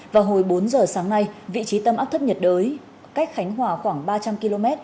vào hồi bốn giờ sáng nay vị trí tâm áp thấp nhiệt đới cách khánh hòa khoảng ba trăm linh km